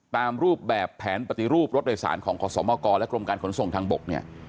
ตามรูปแบบแผนปฏิรูปรถโดยสารของขอสมกรและกรมการขนส่งทางบกเนี่ย